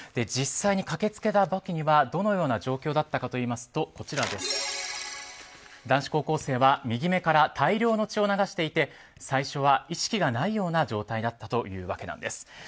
実際に駆け付けた時にはどのような状況だったのかというと男子高校生は右目から大量の血を流していて最初は意識がないような状態だったというわけなんです。